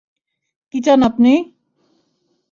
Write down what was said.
কি চান আপনি?